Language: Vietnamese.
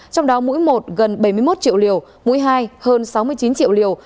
trong đó mũi một gần bảy mươi một triệu liều mũi hai hơn sáu mươi chín triệu liều